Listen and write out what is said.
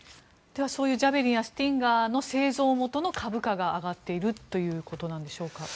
そういうジャベリンやスティンガーの製造元の株価が上がっているということなんでしょうか？